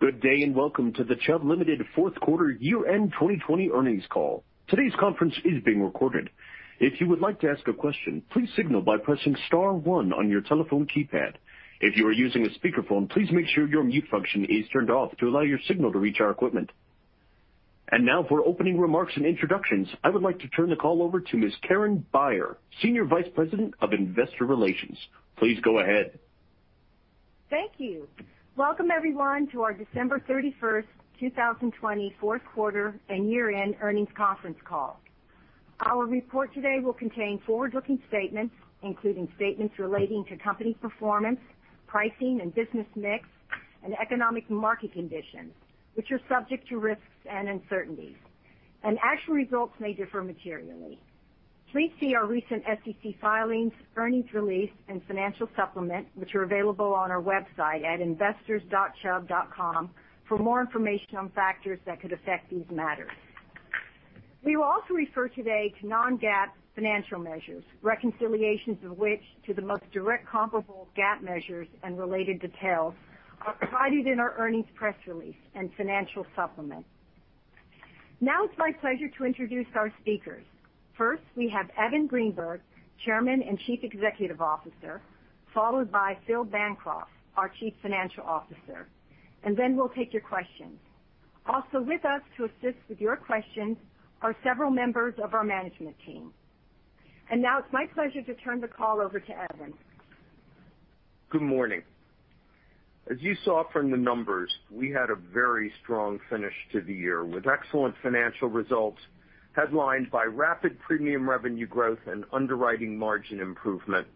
Good day. Welcome to the Chubb Limited fourth quarter year-end 2020 earnings call. Today's conference is being recorded. If you would like to ask a question, please signal by pressing star one on your telephone keypad. If you are using a speakerphone, please make sure your mute function is turned off to allow your signal to reach our equipment. Now for opening remarks and introductions, I would like to turn the call over to Ms. Karen Beyer, Senior Vice President of Investor Relations. Please go ahead. Thank you. Welcome, everyone, to our December 31st, 2020 fourth quarter and year-end earnings conference call. Our report today will contain forward-looking statements, including statements relating to company performance, pricing, and business mix, and economic market conditions, which are subject to risks and uncertainties. Actual results may differ materially. Please see our recent SEC filings, earnings release, and financial supplement, which are available on our website at investors.chubb.com for more information on factors that could affect these matters. We will also refer today to non-GAAP financial measures, reconciliations of which to the most direct comparable GAAP measures and related details are provided in our earnings press release and financial supplement. Now it's my pleasure to introduce our speakers. First, we have Evan Greenberg, Chairman and Chief Executive Officer, followed by Phil Bancroft, our Chief Financial Officer. Then we'll take your questions. Also with us to assist with your questions are several members of our management team. Now it's my pleasure to turn the call over to Evan. Good morning. As you saw from the numbers, we had a very strong finish to the year, with excellent financial results headlined by rapid premium revenue growth and underwriting margin improvement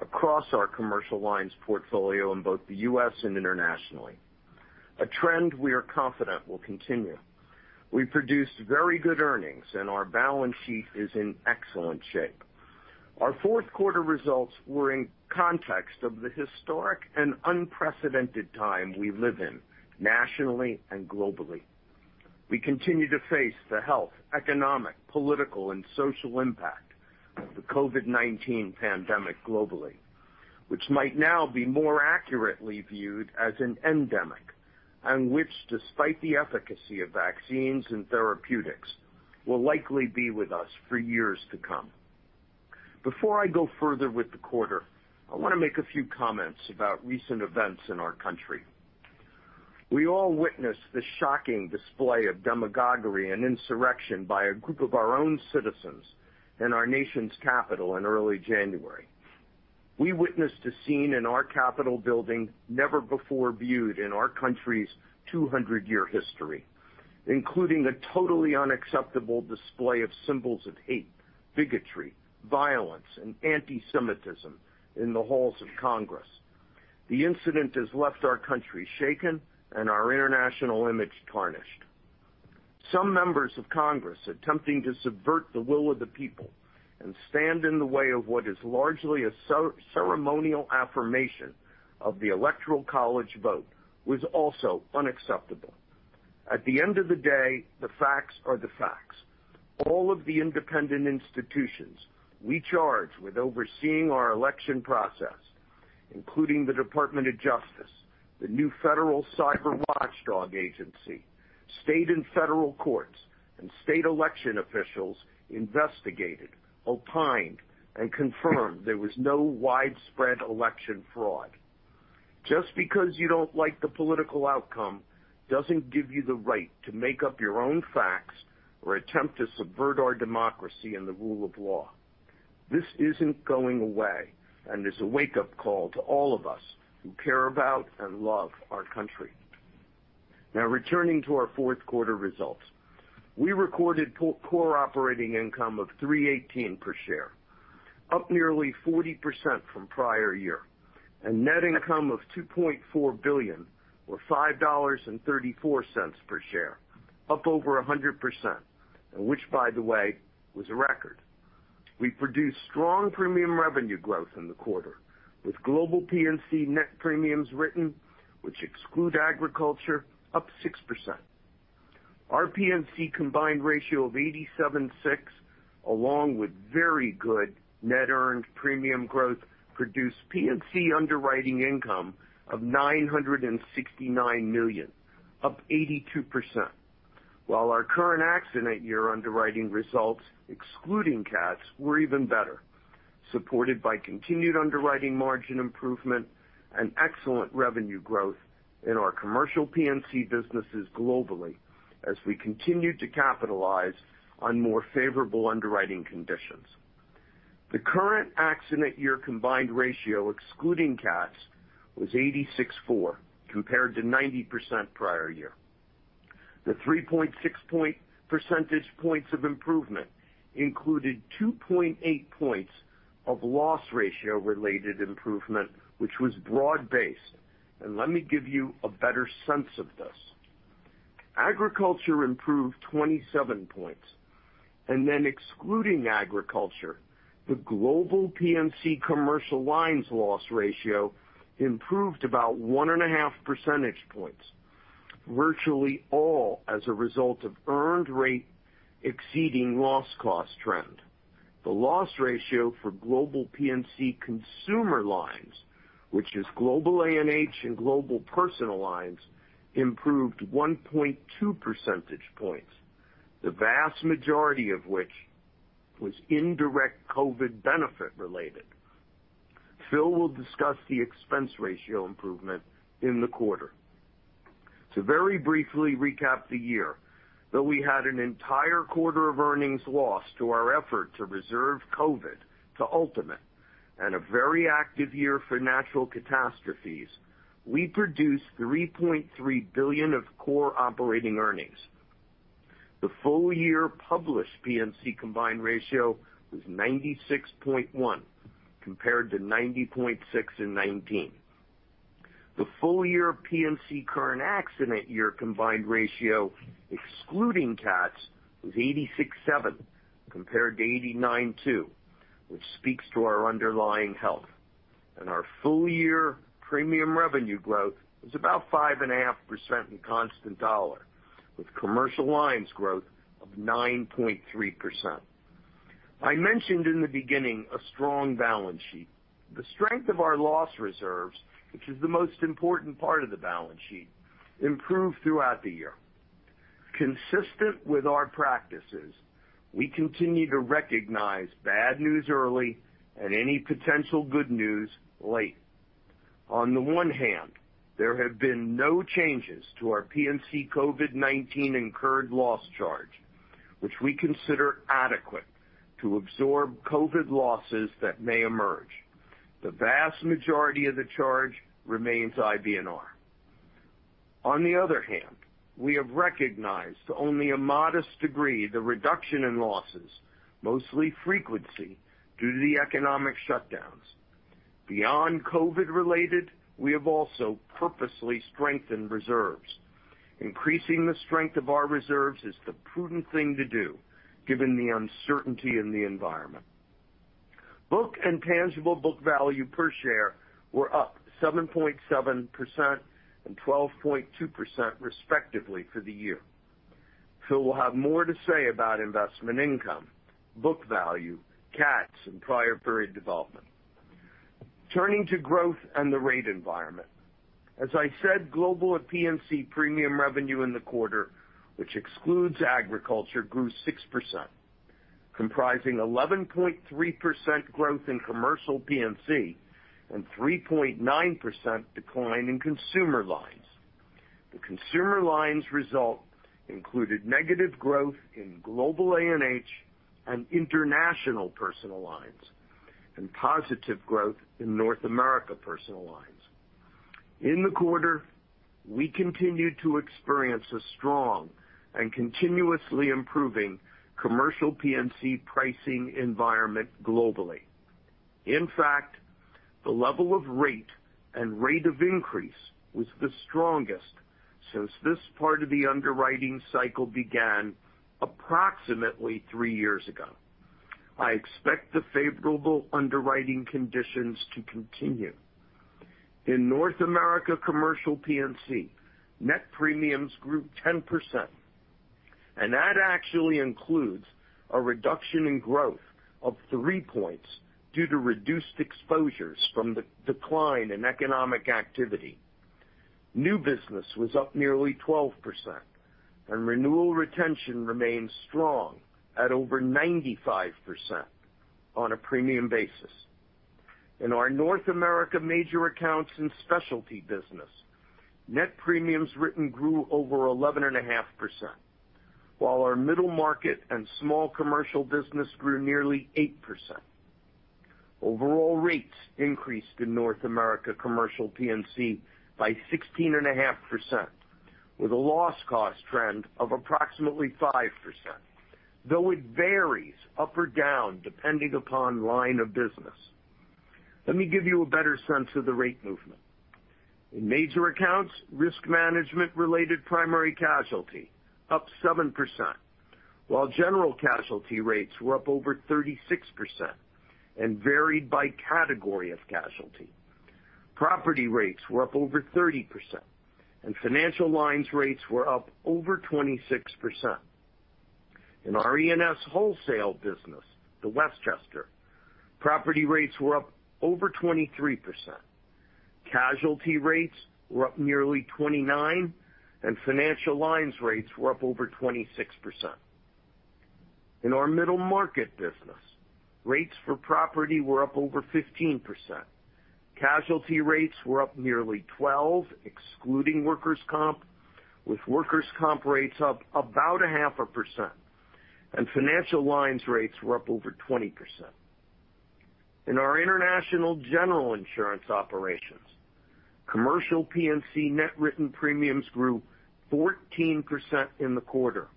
across our Commercial Lines portfolio in both the U.S. and internationally, a trend we are confident will continue. We produced very good earnings, and our balance sheet is in excellent shape. Our fourth quarter results were in context of the historic and unprecedented time we live in, nationally and globally. We continue to face the health, economic, political, and social impact of the COVID-19 pandemic globally, which might now be more accurately viewed as an endemic, and which, despite the efficacy of vaccines and therapeutics, will likely be with us for years to come. Before I go further with the quarter, I want to make a few comments about recent events in our country. We all witnessed the shocking display of demagoguery and insurrection by a group of our own citizens in our nation's capital in early January. We witnessed a scene in our Capitol building never before viewed in our country's 200-year history, including a totally unacceptable display of symbols of hate, bigotry, violence, and antisemitism in the halls of Congress. The incident has left our country shaken and our international image tarnished. Some members of Congress attempting to subvert the will of the people and stand in the way of what is largely a ceremonial affirmation of the electoral college vote was also unacceptable. At the end of the day, the facts are the facts. All of the independent institutions we charge with overseeing our election process, including the Department of Justice, the new federal cyber watchdog agency, state and federal courts, and state election officials investigated, opined, and confirmed there was no widespread election fraud. Just because you don't like the political outcome doesn't give you the right to make up your own facts or attempt to subvert our democracy and the rule of law. This isn't going away, and is a wake-up call to all of us who care about and love our country. Now, returning to our fourth quarter results. We recorded core operating income of $3.18 per share, up nearly 40% from prior year, and net income of $2.4 billion or $5.34 per share, up over 100%, and which, by the way, was a record. We produced strong premium revenue growth in the quarter with global P&C net premiums written, which exclude agriculture, up 6%. Our P&C combined ratio of 87.6, along with very good net earned premium growth produced P&C underwriting income of $969 million, up 82%, while our current accident year underwriting results, excluding CATs, were even better, supported by continued underwriting margin improvement and excellent revenue growth in our commercial P&C businesses globally as we continued to capitalize on more favorable underwriting conditions. The current accident year combined ratio, excluding CATs, was 86.4, compared to 90% prior year. The 3.6 percentage points of improvement included 2.8 points of loss ratio related improvement, which was broad based. Let me give you a better sense of this. Agriculture improved 27 points, and then excluding agriculture, the global P&C Commercial Lines loss ratio improved about one and a half percentage points, virtually all as a result of earned rate exceeding loss cost trend. The loss ratio for global P&C consumer lines, which is global A&H and global personal lines, improved 1.2 percentage points, the vast majority of which was indirect COVID benefit related. Phil will discuss the expense ratio improvement in the quarter. To very briefly recap the year, though we had an entire quarter of earnings lost to our effort to reserve COVID to ultimate and a very active year for natural catastrophes, we produced $3.3 billion of core operating earnings. The full-year published P&C combined ratio was 96.1 compared to 90.6 in 2019. The full-year P&C current accident year combined ratio, excluding CATs, was 86.7 compared to 89.2, which speaks to our underlying health. Our full-year premium revenue growth was about 5.5% in constant dollar, with commercial lines growth of 9.3%. I mentioned in the beginning a strong balance sheet. The strength of our loss reserves, which is the most important part of the balance sheet, improved throughout the year. Consistent with our practices, we continue to recognize bad news early and any potential good news late. On the one hand, there have been no changes to our P&C COVID-19 incurred loss charge, which we consider adequate to absorb COVID losses that may emerge. The vast majority of the charge remains IBNR. On the other hand, we have recognized to only a modest degree the reduction in losses, mostly frequency, due to the economic shutdowns. Beyond COVID related, we have also purposely strengthened reserves. Increasing the strength of our reserves is the prudent thing to do given the uncertainty in the environment. Book and tangible book value per share were up 7.7% and 12.2%, respectively, for the year. Phil will have more to say about investment income, book value, CATs, and prior period development. Turning to growth and the rate environment. As I said, global P&C premium revenue in the quarter, which excludes agriculture, grew 6%, comprising 11.3% growth in commercial P&C and 3.9% decline in consumer lines. The consumer lines result included negative growth in global A&H and international personal lines and positive growth in North America personal lines. In the quarter, we continued to experience a strong and continuously improving commercial P&C pricing environment globally. In fact, the level of rate and rate of increase was the strongest since this part of the underwriting cycle began approximately three years ago. I expect the favorable underwriting conditions to continue. In North America Commercial P&C, net premiums grew 10%, and that actually includes a reduction in growth of 3 points due to reduced exposures from the decline in economic activity. New business was up nearly 12%, and renewal retention remains strong at over 95% on a premium basis. In our North America major accounts and specialty business, net premiums written grew over 11.5%, while our middle market and small commercial business grew nearly 8%. Overall rates increased in North America commercial P&C by 16.5%, with a loss cost trend of approximately 5%, though it varies up or down depending upon line of business. Let me give you a better sense of the rate movement. In major accounts, risk management related primary casualty up 7%, while general casualty rates were up over 36% and varied by category of casualty. Property rates were up over 30%. Financial lines rates were up over 26%. In our E&S wholesale business, Westchester, property rates were up over 23%. Casualty rates were up nearly 29%. Financial lines rates were up over 26%. In our middle market business, rates for property were up over 15%. Casualty rates were up nearly 12%, excluding workers' comp, with workers' comp rates up about a half a percent. Financial lines rates were up over 20%. In our international general insurance operations, commercial P&C net written premiums grew 14% in the quarter.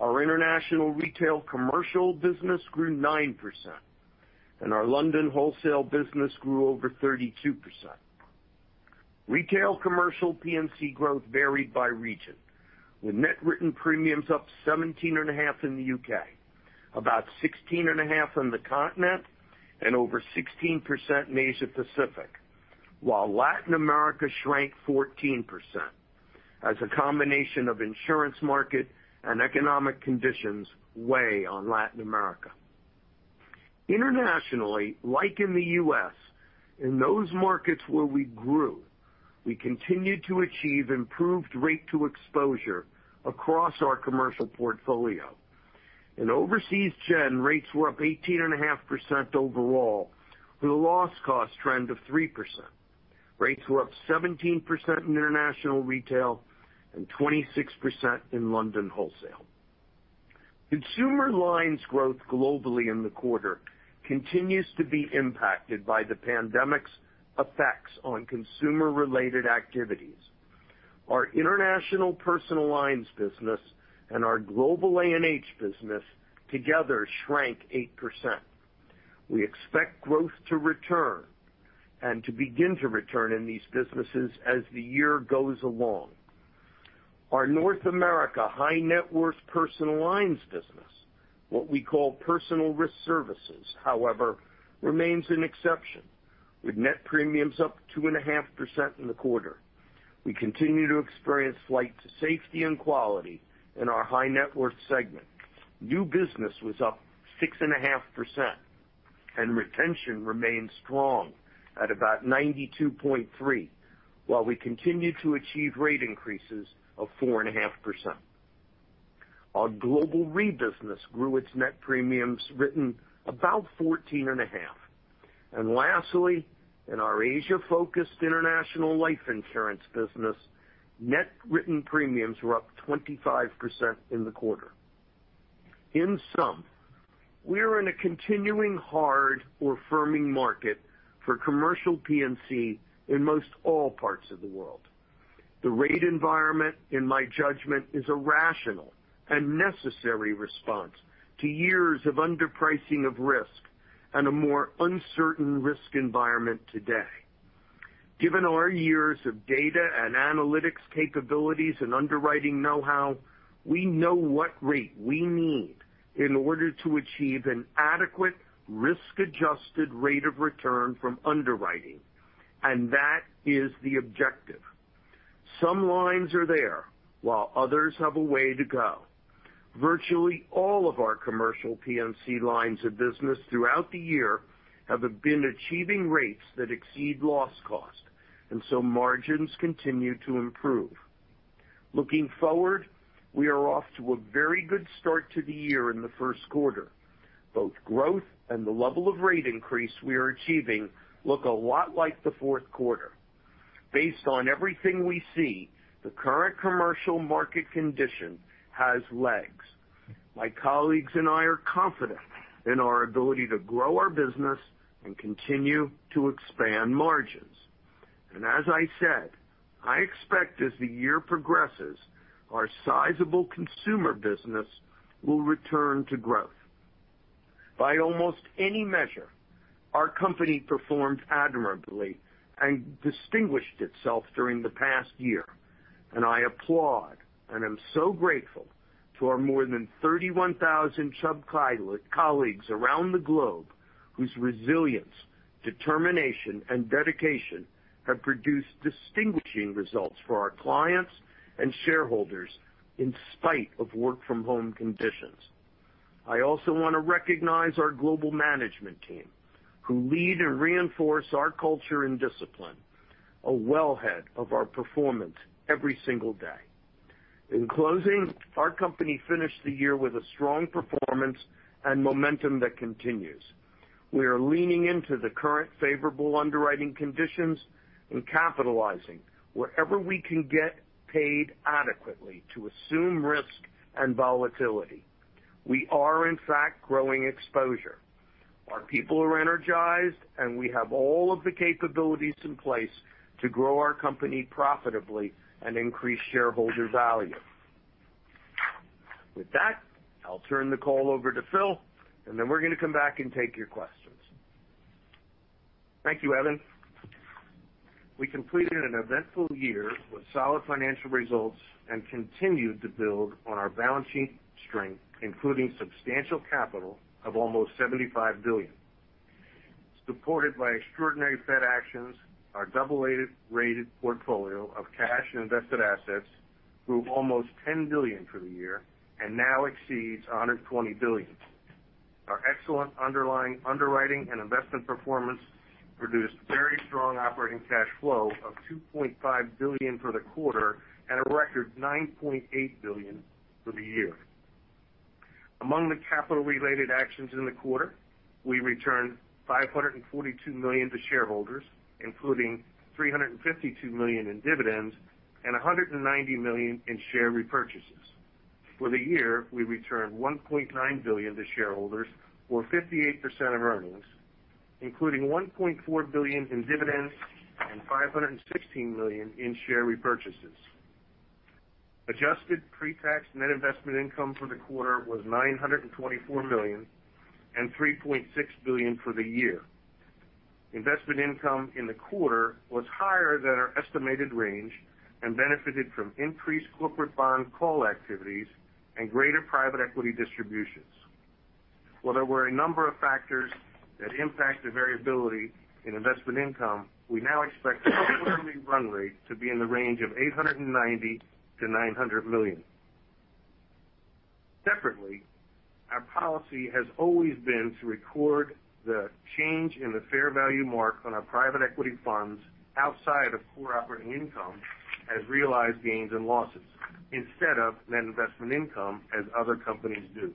Our international retail commercial business grew 9%. Our London wholesale business grew over 32%. Retail commercial P&C growth varied by region, with net written premiums up 17.5% in the U.K., about 16.5% on the continent, and over 16% in Asia Pacific. Latin America shrank 14%, as a combination of insurance market and economic conditions weigh on Latin America. Internationally, like in the U.S., in those markets where we grew, we continued to achieve improved rate to exposure across our commercial portfolio. In overseas gen, rates were up 18.5% overall with a loss cost trend of 3%. Rates were up 17% in international retail and 26% in London wholesale. Consumer lines growth globally in the quarter continues to be impacted by the pandemic's effects on consumer-related activities. Our international personal lines business and our global A&H business together shrank 8%. We expect growth to return and to begin to return in these businesses as the year goes along. Our North America high net worth personal lines business, what we call Personal Risk Services, however, remains an exception, with net premiums up 2.5% in the quarter. We continue to experience flight to safety and quality in our high net worth segment. New business was up 6.5% and retention remains strong at about 92.3%, while we continued to achieve rate increases of 4.5%. Our global re-business grew its net premiums written about 14.5%. Lastly, in our Asia-focused international life insurance business, net written premiums were up 25% in the quarter. In sum, we are in a continuing hard or firming market for commercial P&C in most all parts of the world. The rate environment, in my judgment, is a rational and necessary response to years of underpricing of risk and a more uncertain risk environment today. Given our years of data and analytics capabilities and underwriting knowhow, we know what rate we need in order to achieve an adequate risk-adjusted rate of return from underwriting, and that is the objective. Some lines are there, while others have a way to go. Virtually all of our commercial P&C lines of business throughout the year have been achieving rates that exceed loss cost, margins continue to improve. Looking forward, we are off to a very good start to the year in the first quarter. Both growth and the level of rate increase we are achieving look a lot like the fourth quarter. Based on everything we see, the current commercial market condition has legs. My colleagues and I are confident in our ability to grow our business and continue to expand margins. As I said, I expect as the year progresses, our sizable consumer business will return to growth. By almost any measure, our company performed admirably and distinguished itself during the past year, and I applaud and am so grateful to our more than 31,000 Chubb colleagues around the globe whose resilience, determination, and dedication have produced distinguishing results for our clients and shareholders in spite of work-from-home conditions. I also want to recognize our global management team, who lead and reinforce our culture and discipline, a wellhead of our performance every single day. In closing, our company finished the year with a strong performance and momentum that continues. We are leaning into the current favorable underwriting conditions and capitalizing wherever we can get paid adequately to assume risk and volatility. We are, in fact, growing exposure. Our people are energized, and we have all of the capabilities in place to grow our company profitably and increase shareholder value. With that, I'll turn the call over to Phil, and then we're going to come back and take your questions. Thank you, Evan. We completed an eventful year with solid financial results and continued to build on our balance sheet strength, including substantial capital of almost $75 billion. Supported by extraordinary Fed actions, our AA-rated portfolio of cash and invested assets grew almost $10 billion for the year and now exceeds $120 billion. Our excellent underwriting and investment performance produced very strong operating cash flow of $2.5 billion for the quarter and a record $9.8 billion for the year. Among the capital-related actions in the quarter, we returned $542 million to shareholders, including $352 million in dividends and $190 million in share repurchases. For the year, we returned $1.9 billion to shareholders, or 58% of earnings, including $1.4 billion in dividends and $516 million in share repurchases. Adjusted pre-tax net investment income for the quarter was $924 million and $3.6 billion for the year. Investment income in the quarter was higher than our estimated range and benefited from increased corporate bond call activities and greater private equity distributions. While there were a number of factors that impact the variability in investment income, we now expect quarterly run rate to be in the range of $890 million-$900 million. Separately, our policy has always been to record the change in the fair value mark on our private equity funds outside of core operating income as realized gains and losses instead of net investment income as other companies do.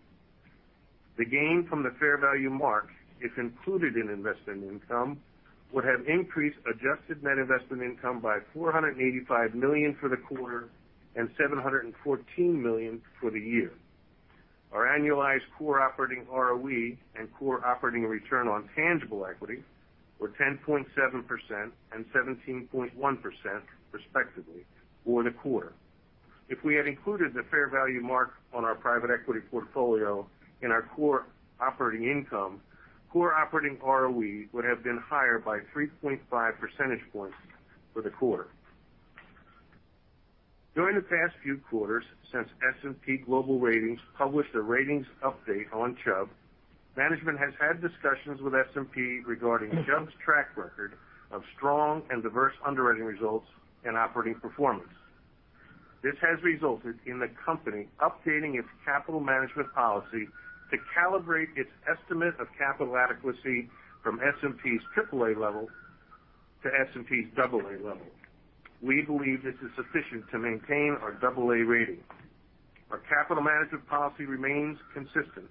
The gain from the fair value mark, if included in investment income, would have increased adjusted net investment income by $485 million for the quarter and $714 million for the year. Our annualized core operating ROE and core operating return on tangible equity were 10.7% and 17.1%, respectively, for the quarter. If we had included the fair value mark on our private equity portfolio in our core operating income, core operating ROE would have been higher by 3.5 percentage points for the quarter. During the past few quarters since S&P Global Ratings published a ratings update on Chubb, management has had discussions with S&P regarding Chubb's track record of strong and diverse underwriting results and operating performance. This has resulted in the company updating its capital management policy to calibrate its estimate of capital adequacy from S&P's AAA level to S&P's AA level. We believe this is sufficient to maintain our AA rating. Our capital management policy remains consistent.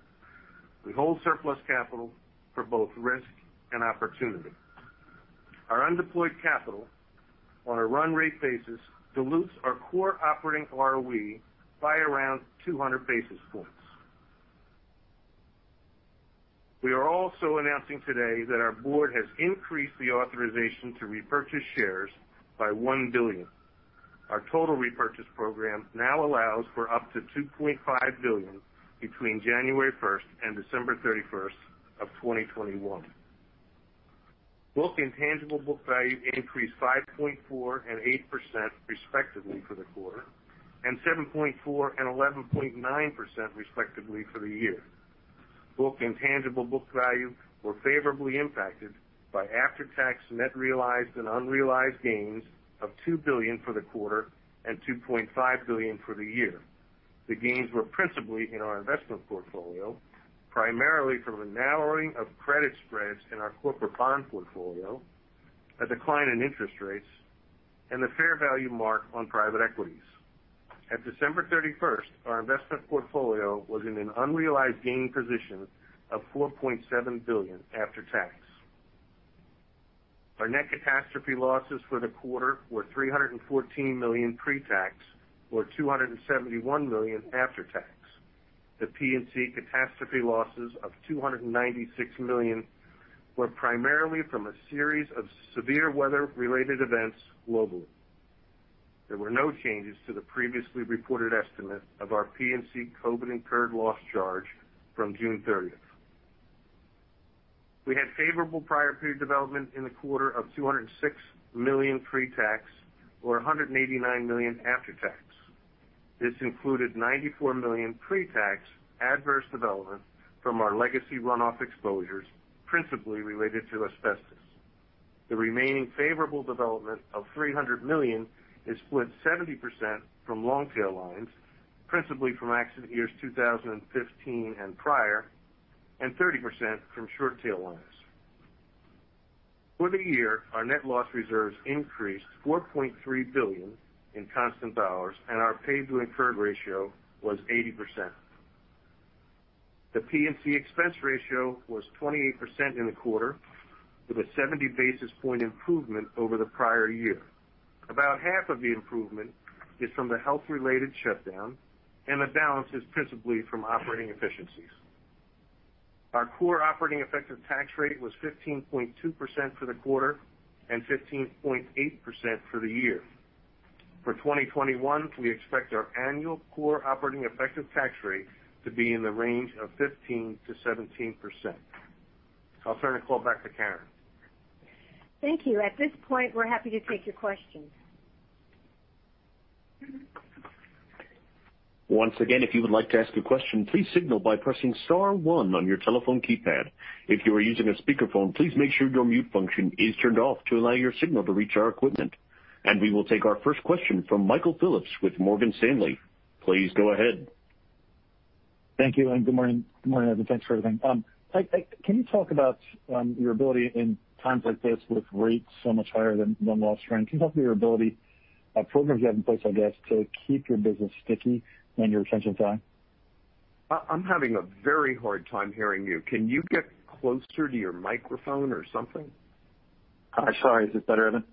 We hold surplus capital for both risk and opportunity. Our undeployed capital on a run rate basis dilutes our core operating ROE by around 200 basis points. We are also announcing today that our board has increased the authorization to repurchase shares by $1 billion. Our total repurchase program now allows for up to $2.5 billion between January 1st and December 31st of 2021. Book and tangible book value increased 5.4% and 8%, respectively, for the quarter, and 7.4% and 11.9%, respectively, for the year. Book and tangible book value were favorably impacted by after-tax net realized and unrealized gains of $2 billion for the quarter and $2.5 billion for the year. The gains were principally in our investment portfolio, primarily from a narrowing of credit spreads in our corporate bond portfolio, a decline in interest rates, and the fair value mark on private equities. At December 31st, our investment portfolio was in an unrealized gain position of $4.7 billion after tax. Our net catastrophe losses for the quarter were $314 million pre-tax, or $271 million after tax. The P&C catastrophe losses of $296 million were primarily from a series of severe weather-related events globally. There were no changes to the previously reported estimate of our P&C COVID incurred loss charge from June 30th. We had favorable prior period development in the quarter of $206 million pre-tax or $189 million after tax. This included $94 million pre-tax adverse development from our legacy runoff exposures, principally related to asbestos. The remaining favorable development of $300 million is split 70% from long-tail lines, principally from accident years 2015 and prior, and 30% from short-tail lines. For the year, our net loss reserves increased $4.3 billion in constant dollars, and our paid to incurred ratio was 80%. The P&C expense ratio was 28% in the quarter, with a 70 basis point improvement over the prior year. About half of the improvement is from the health-related shutdown, and the balance is principally from operating efficiencies. Our core operating effective tax rate was 15.2% for the quarter and 15.8% for the year. For 2021, we expect our annual core operating effective tax rate to be in the range of 15% to 17%. I'll turn the call back to Karen. Thank you. At this point, we're happy to take your questions. Once again, if you would like to ask a question, please signal by pressing star one on your telephone keypad. If you are using a speakerphone, please make sure your mute function is turned off to allow your signal to reach our equipment. We will take our first question from Michael Phillips with Morgan Stanley. Please go ahead. Thank you. Good morning, Evan. Thanks for everything. Can you talk about your ability in times like this with rates so much higher than loss run? Can you talk through your ability of programs you have in place, I guess, to keep your business sticky and your retentions high? I'm having a very hard time hearing you. Can you get closer to your microphone or something? Sorry. Is this better, Evan?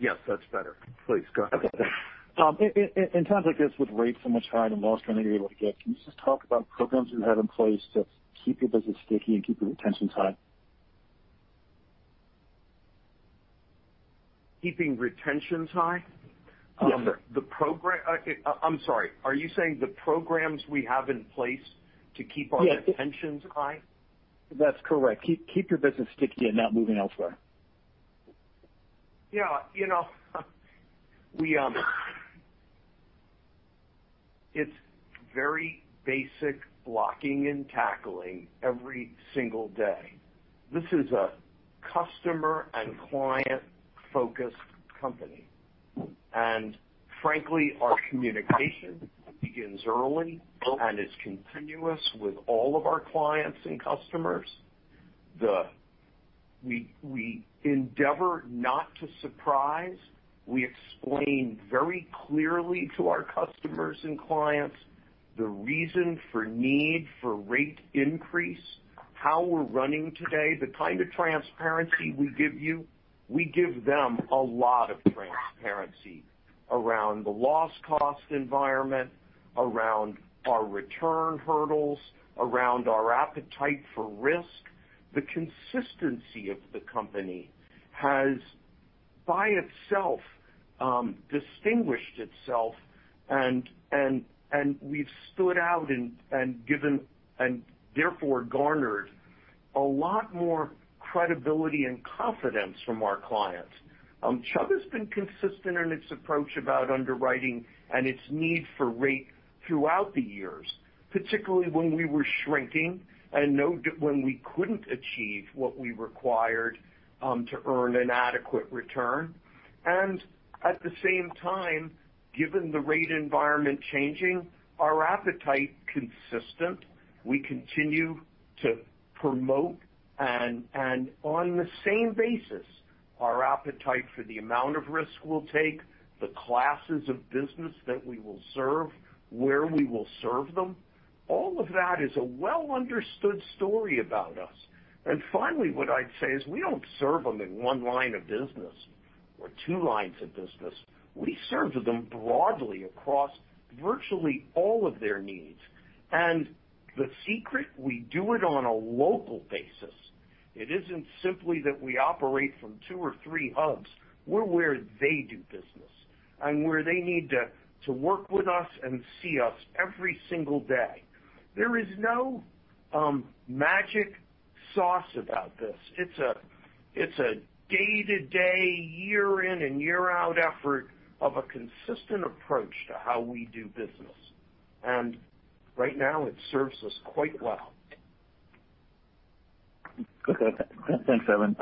Yes, that's better. Please go ahead. Okay. In times like this, with rates so much higher than [loss running able to get], can you just talk about programs you have in place to keep your business sticky and keep your retentions high? Keeping retentions high? Yes, sir. I'm sorry. Are you saying the programs we have in place to keep our-? Yes retentions high? That's correct. Keep your business sticky and not moving elsewhere. It's very basic blocking and tackling every single day. This is a customer and client-focused company. Frankly, our communication begins early and is continuous with all of our clients and customers. We endeavor not to surprise. We explain very clearly to our customers and clients the reason for need for rate increase, how we're running today, the kind of transparency we give you. We give them a lot of transparency around the loss cost environment, around our return hurdles, around our appetite for risk. The consistency of the company has, by itself, distinguished itself, and we've stood out and therefore garnered a lot more credibility and confidence from our clients. Chubb has been consistent in its approach about underwriting and its need for rate throughout the years, particularly when we were shrinking and when we couldn't achieve what we required to earn an adequate return. At the same time, given the rate environment changing, our appetite consistent, we continue to promote and on the same basis, our appetite for the amount of risk we'll take, the classes of business that we will serve, where we will serve them, all of that is a well-understood story about us. Finally, what I'd say is we don't serve them in one line of business or two lines of business. We serve them broadly across virtually all of their needs. The secret, we do it on a local basis. It isn't simply that we operate from two or three hubs. We're where they do business and where they need to work with us and see us every single day. There is no magic sauce about this. It's a day-to-day, year-in and year-out effort of a consistent approach to how we do business. Right now, it serves us quite well. Okay. Thanks, Evan.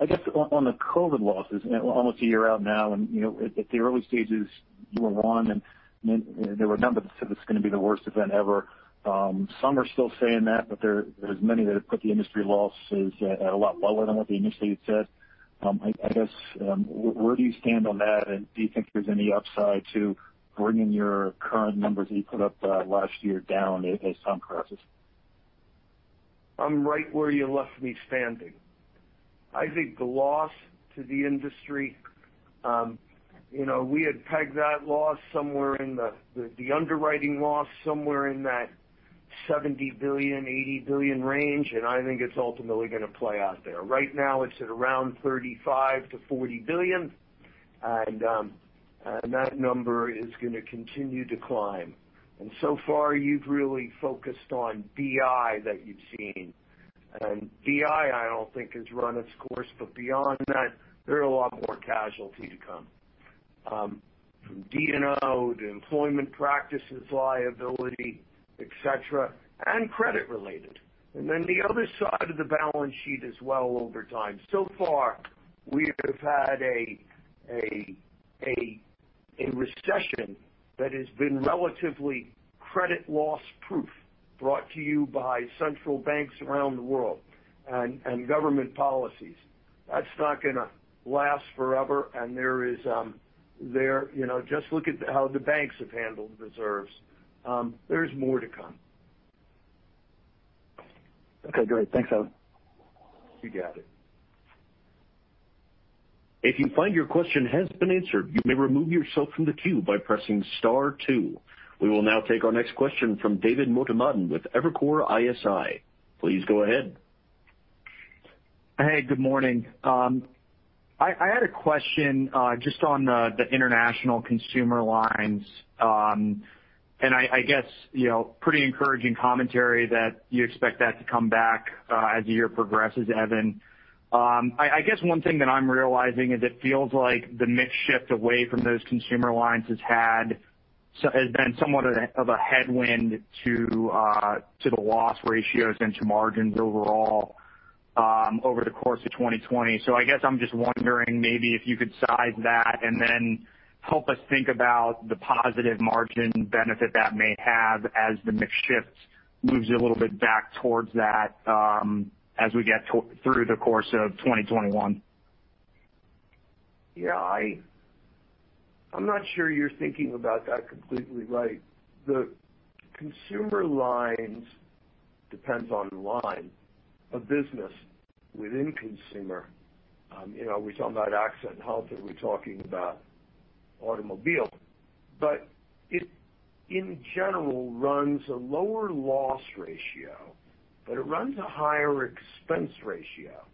I guess on the COVID losses, almost a year out now, at the early stages, you were on, and there were numbers that said it's going to be the worst event ever. Some are still saying that, but there's many that have put the industry losses at a lot lower than what they initially had said. I guess, where do you stand on that? Do you think there's any upside to bringing your current numbers that you put up last year down as time progresses? I'm right where you left me standing. I think the loss to the industry, we had pegged that loss somewhere in the underwriting loss somewhere in that $70 billion-$80 billion range, and I think it's ultimately going to play out there. Right now, it's at around $35 billion-$40 billion, and that number is going to continue to climb. So far, you've really focused on BI that you've seen. BI, I don't think has run its course. Beyond that, there are a lot more casualty to come, from D&O to employment practices liability, et cetera, and credit related. Then the other side of the balance sheet as well over time. So far, we have had a recession that has been relatively credit loss-proof, brought to you by central banks around the world and government policies. That's not going to last forever, and just look at how the banks have handled reserves. There's more to come. Okay, great. Thanks, Evan. You got it. We will now take our next question from David Motemaden with Evercore ISI. Please go ahead. Hey, good morning. I had a question just on the international consumer lines. I guess pretty encouraging commentary that you expect that to come back as the year progresses, Evan. I guess one thing that I'm realizing is it feels like the mix shift away from those consumer lines has been somewhat of a headwind to the loss ratios and to margins overall over the course of 2020. I guess I'm just wondering maybe if you could size that and then help us think about the positive margin benefit that may have as the mix shift moves a little bit back towards that as we get through the course of 2021. I'm not sure you're thinking about that completely right. The consumer lines depends on the line of business within consumer. We're talking about accident health or we're talking about automobile. It, in general, runs a lower loss ratio, but it runs a higher expense ratio.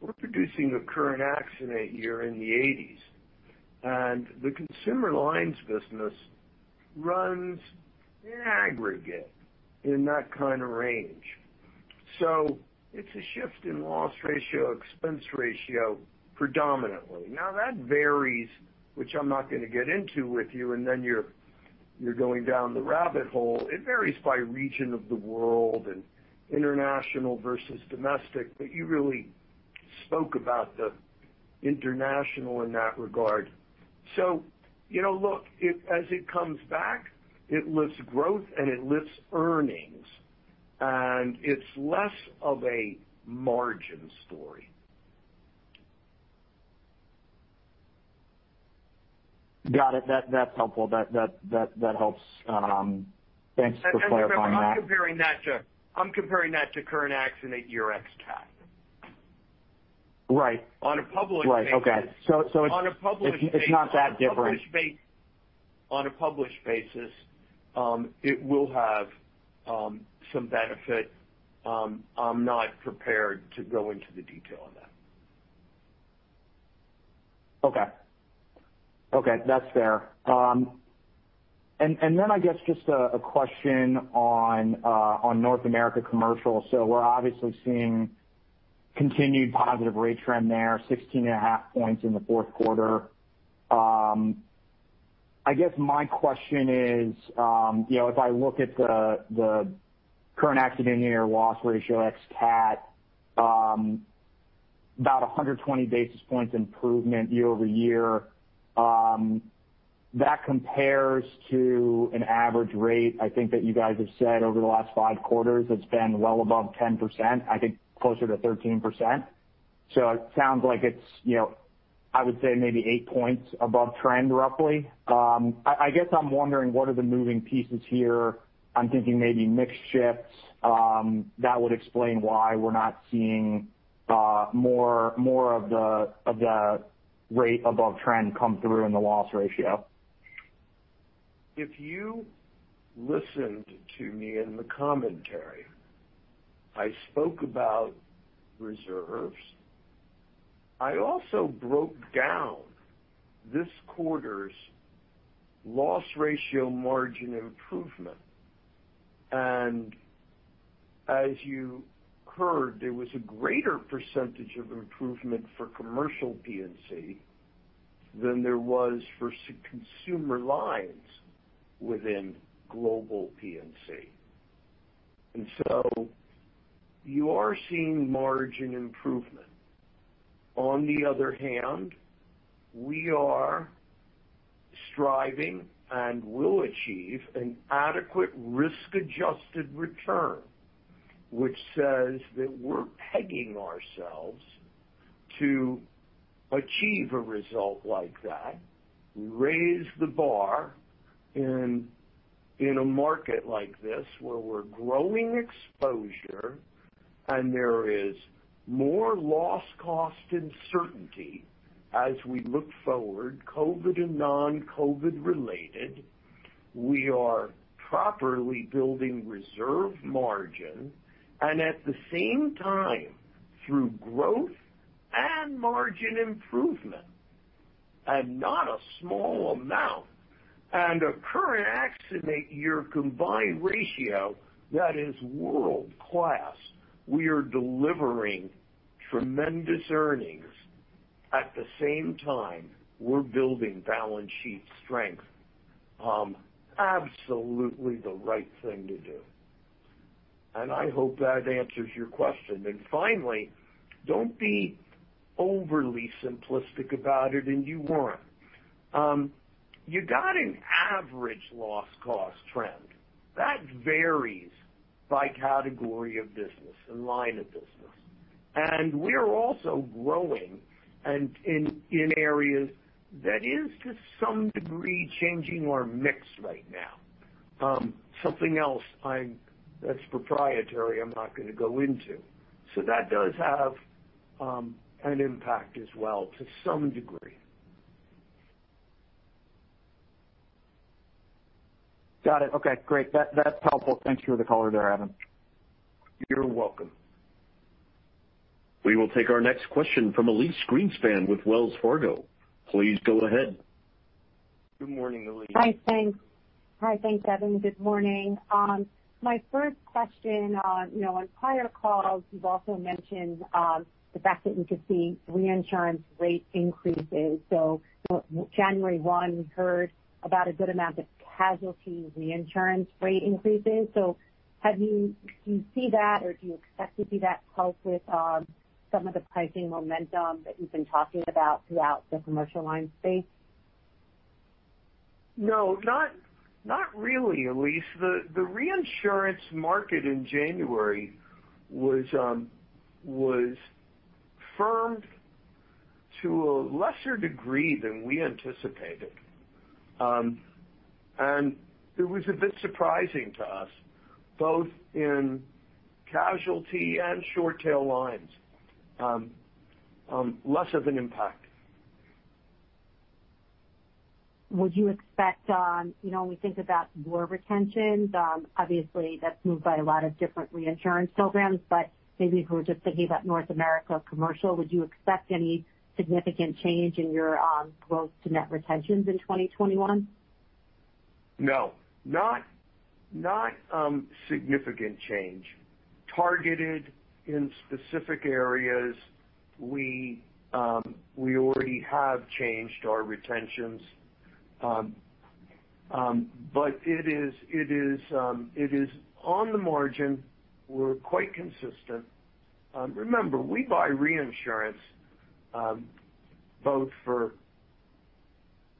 We're producing a current accident year in the 80s, and the consumer lines business runs in aggregate in that kind of range. It's a shift in loss ratio, expense ratio predominantly. That varies, which I'm not going to get into with you, and then you're going down the rabbit hole. It varies by region of the world and international versus domestic, but you really spoke about the international in that regard. Look, as it comes back, it lifts growth and it lifts earnings, and it's less of a margin story. Got it. That's helpful. That helps. Thanks for clarifying that. Remember, I'm comparing that to current accident year ex-CAT. Right. On a published basis- Right. Okay. On a published basis. It's not that different. on a published basis, it will have some benefit. I'm not prepared to go into the detail on that. Okay. That's fair. I guess just a question on North America commercial. We're obviously seeing continued positive rate trend there, 16.5 points in the fourth quarter. I guess my question is, if I look at the current accident year loss ratio, ex-CAT, about 120 basis points improvement year-over-year. That compares to an average rate, I think that you guys have said over the last five quarters, that's been well above 10%, I think closer to 13%. It sounds like it's, I would say maybe eight points above trend, roughly. I guess I'm wondering, what are the moving pieces here? I'm thinking maybe mix shifts. That would explain why we're not seeing more of the rate above trend come through in the loss ratio. If you listened to me in the commentary, I spoke about reserves. I also broke down this quarter's loss ratio margin improvement. As you heard, there was a greater percentage of improvement for commercial P&C than there was for consumer lines within global P&C. You are seeing margin improvement. On the other hand, we are striving and will achieve an adequate risk-adjusted return, which says that we're pegging ourselves to achieve a result like that. We raise the bar in a market like this where we're growing exposure and there is more loss cost uncertainty as we look forward, COVID and non-COVID related. We are properly building reserve margin, and at the same time, through growth and margin improvement, and not a small amount, and a current accident year combined ratio that is world-class. We are delivering tremendous earnings. At the same time, we're building balance sheet strength. Absolutely the right thing to do. I hope that answers your question. Finally, don't be overly simplistic about it, and you weren't. You got an average loss cost trend. That varies by category of business and line of business. We are also growing and in areas that is to some degree changing our mix right now. Something else that's proprietary, I'm not going to go into. That does have an impact as well to some degree. Got it. Okay, great. That's helpful. Thanks for the color there, Evan. You're welcome. We will take our next question from Elyse Greenspan with Wells Fargo. Please go ahead. Good morning, Elyse. Hi. Thanks, Evan. Good morning. My first question, on prior calls, you've also mentioned the fact that we could see reinsurance rate increases. January 1, we heard about a good amount of casualty reinsurance rate increases. Do you see that, or do you expect to see that help with some of the pricing momentum that you've been talking about throughout the commercial line space? No, not really, Elyse. The reinsurance market in January was firmed to a lesser degree than we anticipated. It was a bit surprising to us, both in casualty and short tail lines. Less of an impact. Would you expect, when we think about your retentions, obviously that's moved by a lot of different reinsurance programs, but maybe if we're just thinking about North America commercial, would you expect any significant change in your growth to net retentions in 2021? No, not significant change. Targeted in specific areas, we already have changed our retentions. It is on the margin. We're quite consistent. Remember, we buy reinsurance, both for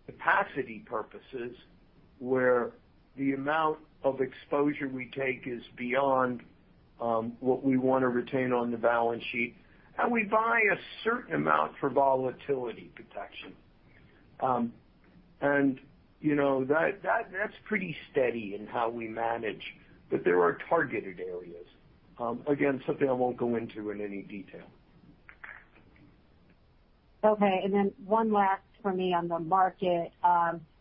capacity purposes, where the amount of exposure we take is beyond what we want to retain on the balance sheet, and we buy a certain amount for volatility protection. That's pretty steady in how we manage. There are targeted areas. Again, something I won't go into in any detail. Okay, one last for me on the market.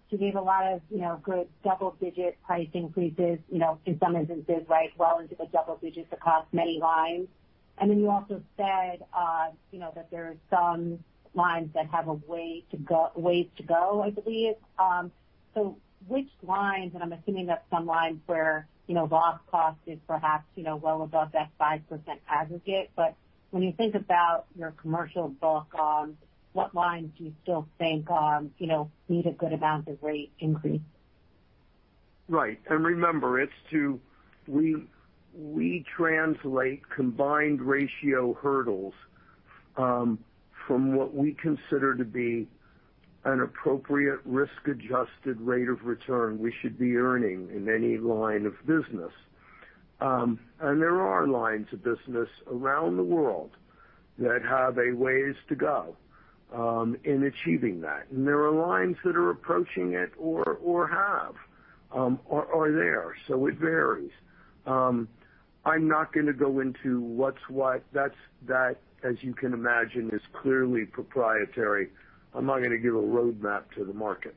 You gave a lot of good double-digit price increases, in some instances, well into the double digits across many lines. You also said that there are some lines that have a way to go, I believe. Which lines, and I'm assuming that's some lines where loss cost is perhaps well above that 5% aggregate, but when you think about your commercial book, what lines do you still think need a good amount of rate increase? Right. Remember, we translate combined ratio hurdles from what we consider to be an appropriate risk-adjusted rate of return we should be earning in any line of business. There are lines of business around the world that have a ways to go in achieving that. There are lines that are approaching it or have, or are there. It varies. I'm not going to go into what's what. That, as you can imagine, is clearly proprietary. I'm not going to give a roadmap to the market.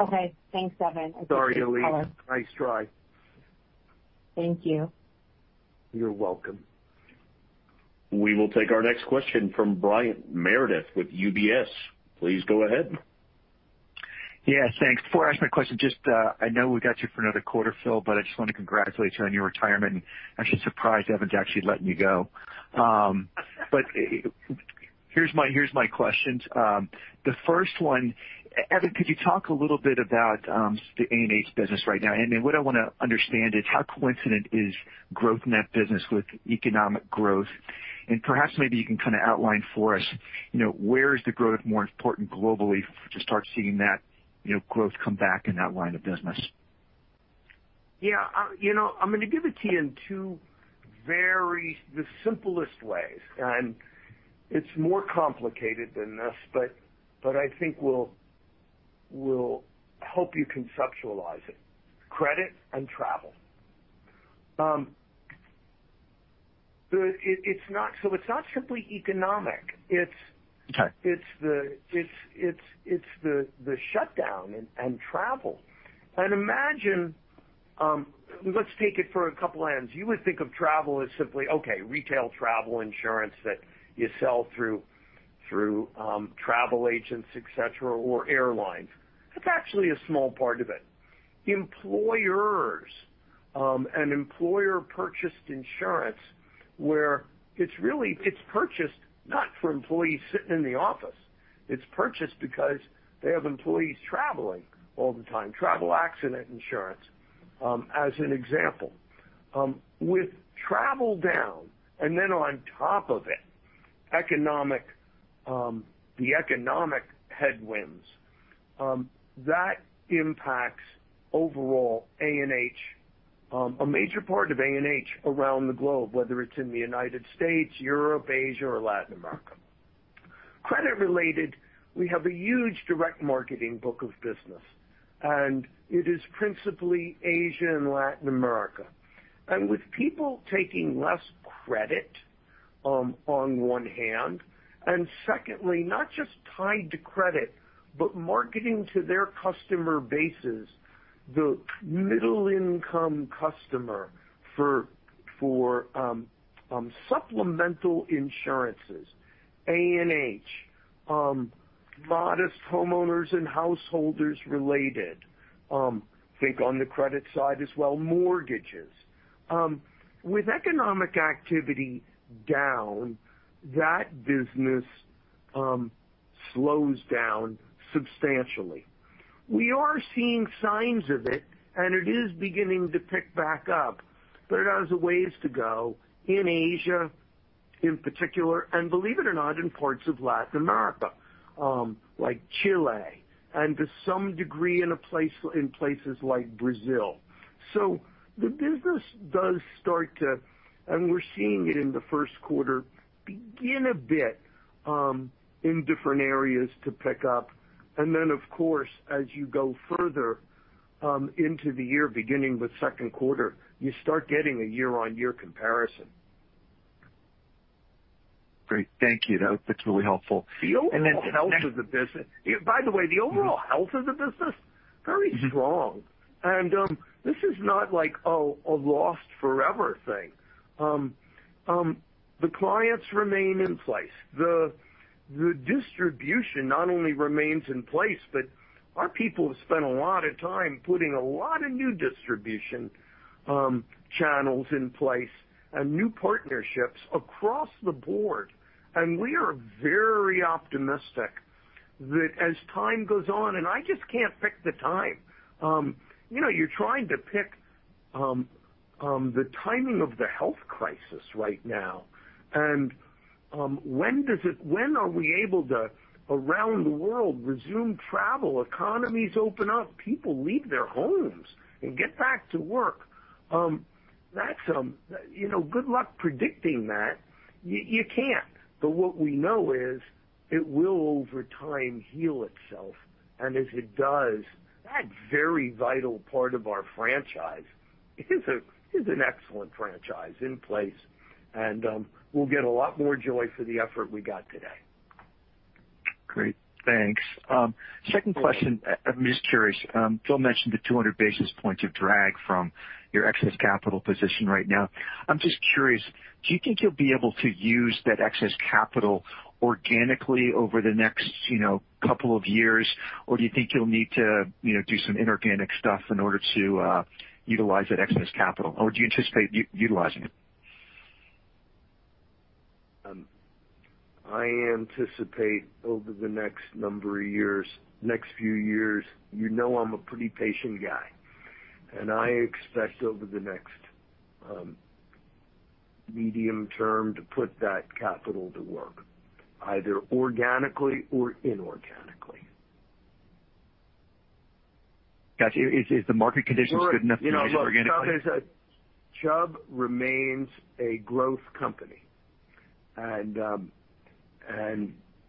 Okay. Thanks, Evan. Appreciate the color. Sorry, Elyse. Nice try. Thank you. You're welcome. We will take our next question from Brian Meredith with UBS. Please go ahead. Yeah, thanks. Before I ask my question, just, I know we got you for another quarter, Phil, but I just want to congratulate you on your retirement, and actually surprised Evan's actually letting you go. Here's my questions. The first one, Evan, could you talk a little bit about the A&H business right now? Then what I want to understand is how coincident is growth in that business with economic growth. Perhaps maybe you can kind of outline for us, where is the growth more important globally to start seeing that growth come back in that line of business? Yeah. I'm going to give it to you in two very, the simplest ways, and it's more complicated than this, but I think will help you conceptualize it. Credit and travel. It's not simply economic. Okay. It's the shutdown and travel. Imagine, let's take it from a couple ends. You would think of travel as simply, okay, retail travel insurance that you sell through travel agents, et cetera, or airlines. That's actually a small part of it. Employers and employer-purchased insurance, where it's purchased not for employees sitting in the office. It's purchased because they have employees traveling all the time. Travel accident insurance, as an example. With travel down, and then on top of it, the economic headwinds, that impacts overall A&H, a major part of A&H around the globe, whether it's in the United States, Europe, Asia, or Latin America. Credit related, we have a huge direct marketing book of business, and it is principally Asia and Latin America. With people taking less credit on one hand, and secondly, not just tied to credit, but marketing to their customer bases, the middle-income customer for supplemental insurances, A&H, modest homeowners and householders related, think on the credit side as well, mortgages. With economic activity down, that business slows down substantially. We are seeing signs of it, and it is beginning to pick back up, but it has a ways to go in Asia in particular, and believe it or not, in parts of Latin America, like Chile, and to some degree in places like Brazil. The business does start to, and we're seeing it in the first quarter, begin a bit in different areas to pick up. Then, of course, as you go further into the year, beginning with second quarter, you start getting a year-on-year comparison. Great. Thank you. That's really helpful. The overall health of the business, by the way, very strong. This is not like, oh, a lost forever thing. The clients remain in place. The distribution not only remains in place, but our people have spent a lot of time putting a lot of new distribution channels in place and new partnerships across the board. We are very optimistic that as time goes on, and I just can't pick the time. You're trying to pick the timing of the health crisis right now. When are we able to, around the world, resume travel, economies open up, people leave their homes and get back to work? Good luck predicting that. You can't. What we know is it will, over time, heal itself. As it does, that very vital part of our franchise is an excellent franchise in place. We'll get a lot more joy for the effort we got today. Great, thanks. Second question, I'm just curious. Phil mentioned the 200 basis points of drag from your excess capital position right now. I'm just curious, do you think you'll be able to use that excess capital organically over the next couple of years? Or do you think you'll need to do some inorganic stuff in order to utilize that excess capital? How would you anticipate utilizing it? I anticipate over the next number of years, next few years, you know I'm a pretty patient guy. I expect over the next medium term to put that capital to work, either organically or inorganically. Got you. Is the market conditions good enough to be inorganic? Chubb remains a growth company.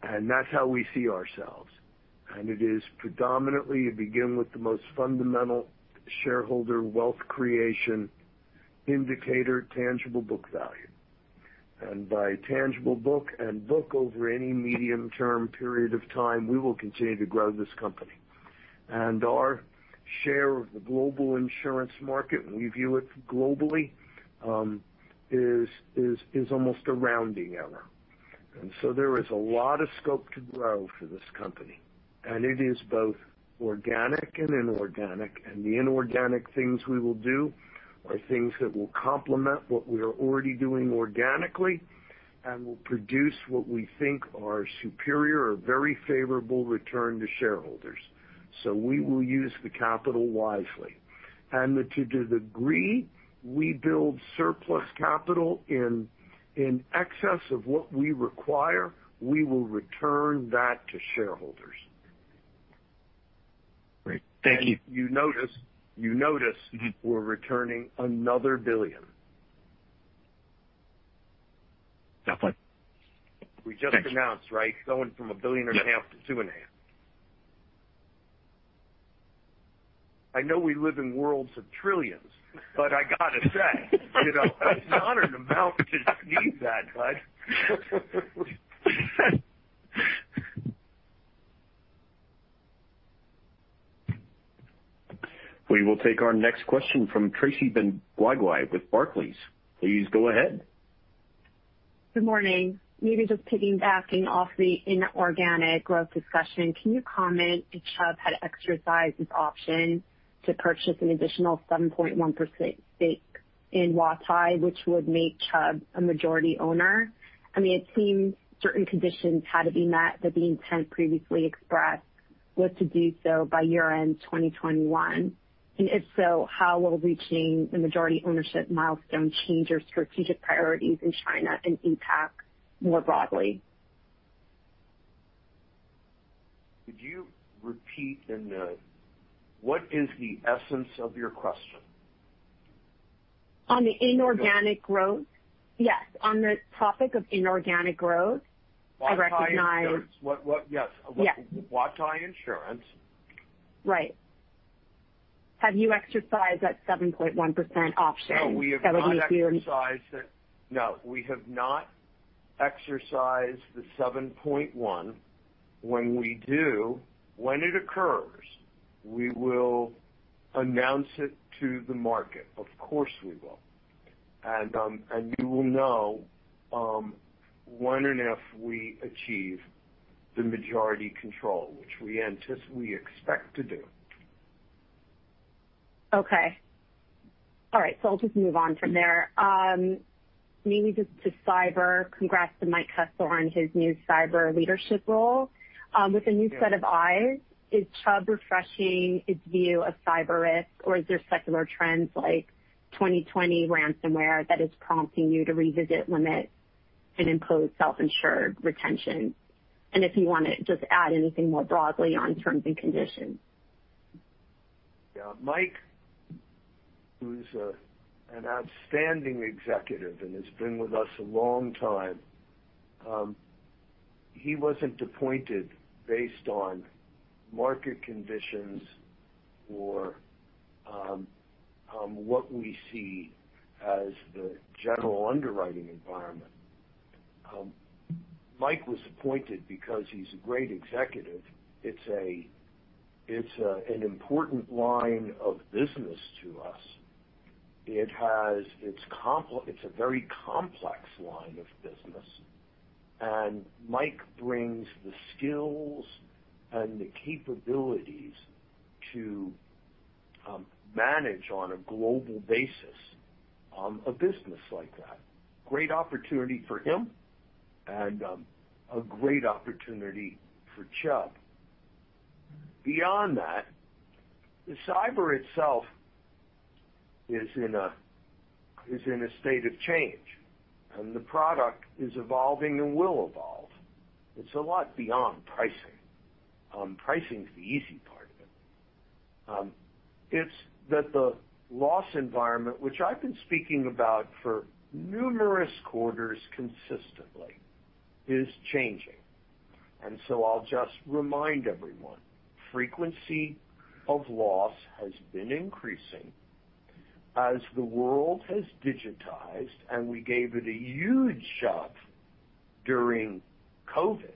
That's how we see ourselves. It is predominantly, you begin with the most fundamental shareholder wealth creation indicator, tangible book value. By tangible book and book over any medium term period of time, we will continue to grow this company. Our share of the global insurance market, and we view it globally, is almost a rounding error. There is a lot of scope to grow for this company. It is both organic and inorganic, and the inorganic things we will do are things that will complement what we are already doing organically and will produce what we think are superior or very favorable return to shareholders. We will use the capital wisely. To the degree we build surplus capital in excess of what we require, we will return that to shareholders. Great. Thank you. You notice we're returning another $1 billion. That's fine. We just announced, right? Going from a billion and a half to two and a half. I know we live in worlds of trillions, I got to say, it's not an amount to sneeze at, Bud. We will take our next question from Tracy Benguigui with Barclays. Please go ahead. Good morning. Maybe just piggybacking off the inorganic growth discussion, can you comment if Chubb had exercised its option to purchase an additional 7.1% stake in Huatai, which would make Chubb a majority owner? It seems certain conditions had to be met, but the intent previously expressed was to do so by year-end 2021. If so, how will reaching the majority ownership milestone change your strategic priorities in China and impact more broadly? Could you repeat and what is the essence of your question? On the inorganic growth? Yes. On the topic of inorganic growth. Huatai Insurance. Yes. Huatai Insurance. Right. Have you exercised that 7.1% option? No, we have not exercised the 7.1. When we do, when it occurs, we will announce it to the market. Of course, we will. You will know when and if we achieve the majority control, which we expect to do. Okay. All right. I'll just move on from there. Maybe just to cyber, congrats to Mike Kessler on his new cyber leadership role. With a new set of eyes, is Chubb refreshing its view of cyber risk or is there secular trends like 2020 ransomware that is prompting you to revisit limits and impose self-insured retention? If you want to just add anything more broadly on terms and conditions. Yeah. Mike, who's an outstanding executive and has been with us a long time, he wasn't appointed based on market conditions or what we see as the general underwriting environment. Mike was appointed because he's a great executive. It's an important line of business to us. It's a very complex line of business, and Mike brings the skills and the capabilities to manage on a global basis, a business like that. Great opportunity for him and a great opportunity for Chubb. Beyond that, cyber itself is in a state of change, and the product is evolving and will evolve. It's a lot beyond pricing. Pricing is the easy part of it. It's that the loss environment, which I've been speaking about for numerous quarters consistently, is changing. I'll just remind everyone, frequency of loss has been increasing as the world has digitized, and we gave it a huge shove during COVID-19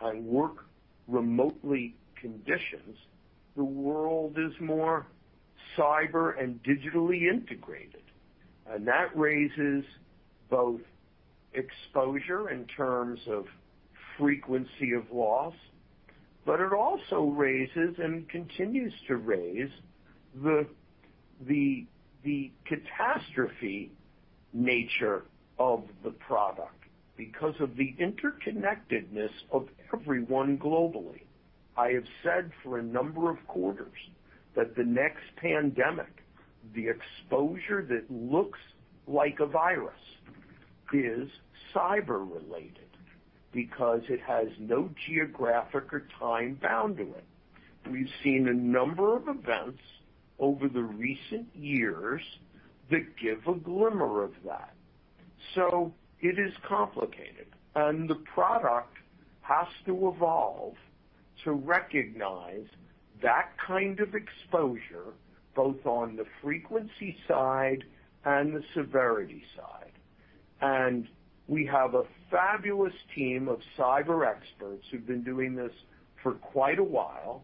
and work remotely conditions. The world is more cyber and digitally integrated, and that raises both exposure in terms of frequency of loss, but it also raises and continues to raise the catastrophe nature of the product because of the interconnectedness of everyone globally. I have said for a number of quarters that the next pandemic, the exposure that looks like a virus, is cyber-related because it has no geographic or time boundary. We've seen a number of events over the recent years that give a glimmer of that. It is complicated, and the product has to evolve to recognize that kind of exposure, both on the frequency side and the severity side. We have a fabulous team of cyber experts who've been doing this for quite a while.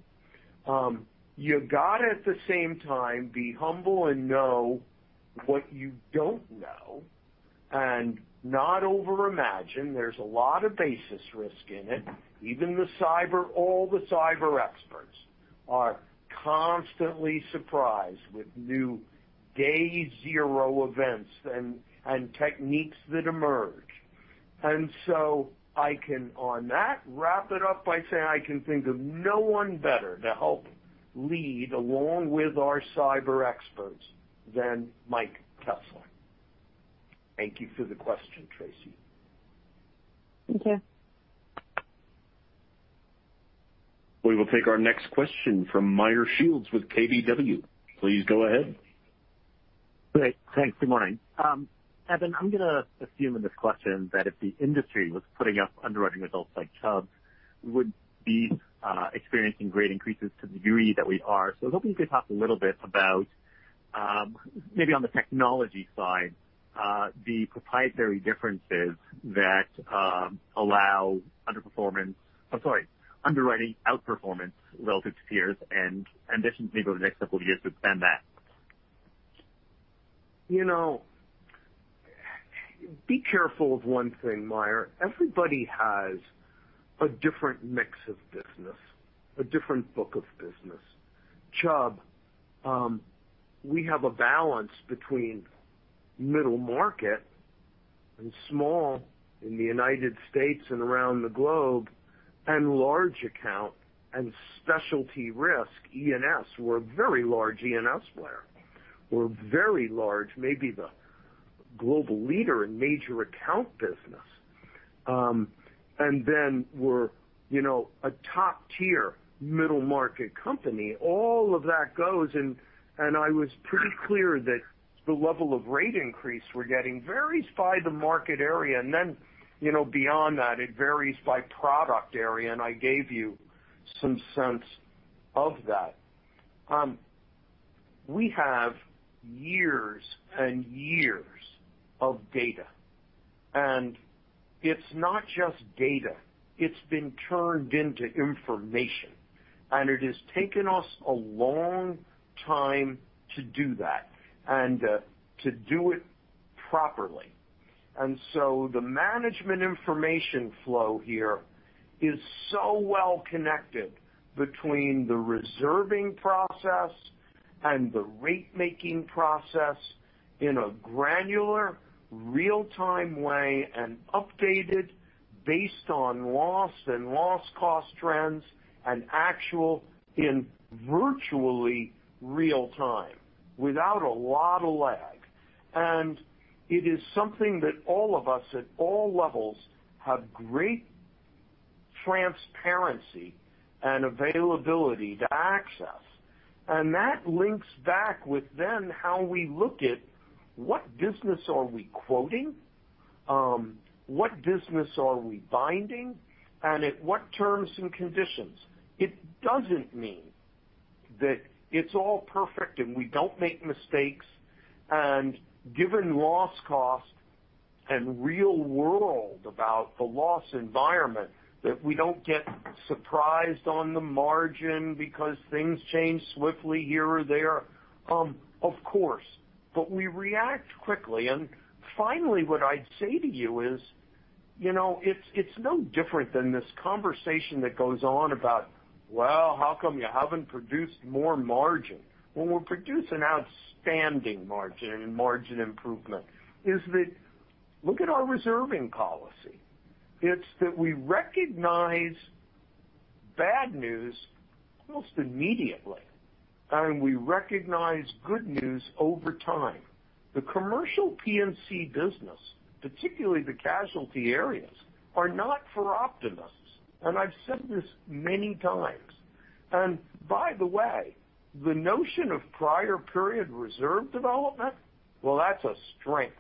You've got to, at the same time, be humble and know what you don't know and not over-imagine. There's a lot of basis risk in it. Even all the cyber experts are constantly surprised with new day zero events and techniques that emerge. I can, on that, wrap it up by saying I can think of no one better to help lead, along with our cyber experts, than Mike Kessler. Thank you for the question, Tracy. Thank you. We will take our next question from Meyer Shields with KBW. Please go ahead. Thanks. Good morning. Evan, I'm going to assume in this question that if the industry was putting up underwriting results like Chubb's, we would be experiencing great increases to the degree that we are. I was hoping you could talk a little bit about, maybe on the technology side, the proprietary differences that allow underperformance, I'm sorry, underwriting outperformance relative to peers and ambitions maybe over the next couple of years to expand that. Be careful of one thing, Meyer. Everybody has a different mix of business, a different book of business. Chubb, we have a balance between middle market and small in the U.S. and around the globe, and large account and specialty risk, E&S. We're a very large E&S player. We're very large, maybe the global leader in major account business. Then we're a top-tier middle market company. All of that goes. I was pretty clear that the level of rate increase we're getting varies by the market area. Then, beyond that, it varies by product area, and I gave you some sense of that. We have years and years of data. It's not just data. It's been turned into information. It has taken us a long time to do that and to do it properly. The management information flow here is so well connected between the reserving process and the rate-making process in a granular, real-time way and updated based on loss and loss cost trends and actual in virtually real time without a lot of lag. It is something that all of us at all levels have great transparency and availability to access, and that links back with then how we look at what business are we quoting, what business are we binding, and at what terms and conditions. It doesn't mean that it's all perfect and we don't make mistakes, and given loss cost and real-world about the loss environment, that we don't get surprised on the margin because things change swiftly here or there. Of course. We react quickly. Finally, what I'd say to you is, it's no different than this conversation that goes on about, well, how come you haven't produced more margin? Well, we're producing outstanding margin and margin improvement. Is that look at our reserving policy. It's that we recognize bad news almost immediately, and we recognize good news over time. The commercial P&C business, particularly the casualty areas, are not for optimists, and I've said this many times. By the way, the notion of prior period reserve development, well, that's a strength.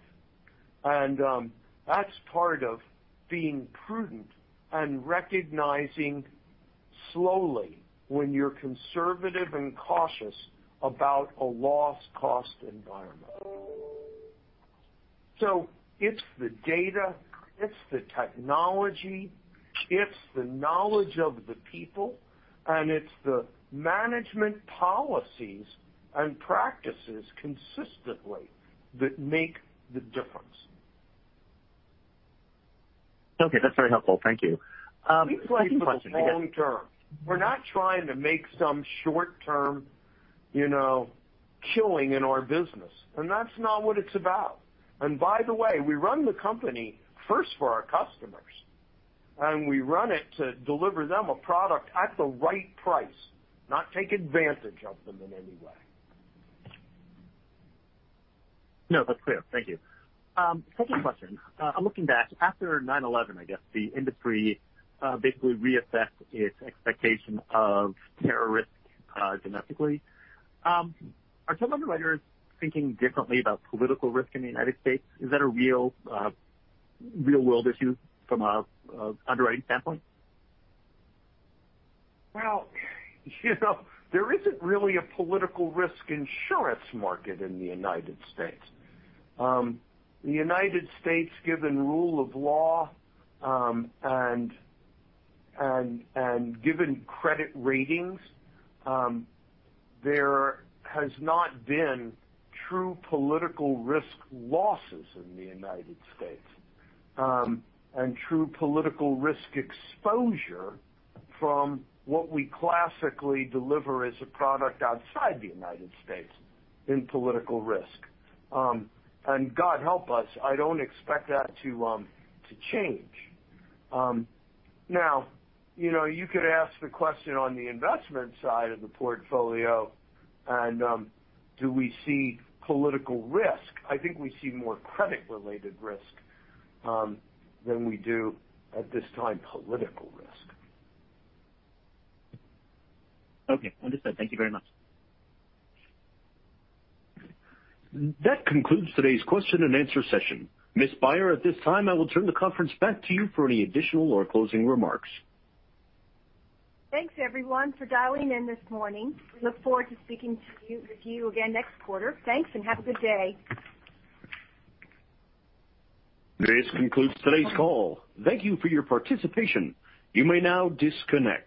That's part of being prudent and recognizing slowly when you're conservative and cautious about a loss cost environment. It's the data, it's the technology, it's the knowledge of the people, and it's the management policies and practices consistently that make the difference. Okay, that's very helpful. Thank you. One more question? Think like the long term. We're not trying to make some short-term killing in our business. That's not what it's about. By the way, we run the company first for our customers, and we run it to deliver them a product at the right price, not take advantage of them in any way. No, that's clear. Thank you. Second question. Looking back, after 9/11, I guess the industry basically reassessed its expectation of terror risk domestically. Are some underwriters thinking differently about political risk in the United States? Is that a real-world issue from an underwriting standpoint? Well, there isn't really a political risk insurance market in the U.S. The U.S., given rule of law, and given credit ratings, there has not been true political risk losses in the U.S., and true political risk exposure from what we classically deliver as a product outside the U.S. in political risk. God help us, I don't expect that to change. Now, you could ask the question on the investment side of the portfolio and do we see political risk? I think we see more credit-related risk than we do at this time, political risk. Okay, understood. Thank you very much. That concludes today's question and answer session. Ms. Beyer, at this time I will turn the conference back to you for any additional or closing remarks. Thanks everyone for dialing in this morning. We look forward to speaking with you again next quarter. Thanks. Have a good day. This concludes today's call. Thank you for your participation. You may now disconnect.